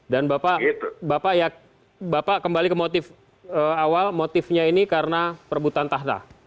dan bapak kembali ke motif awal motifnya ini karena perbutan tahta